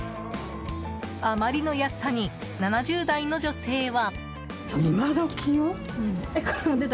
あまりの安さに７０代の女性は。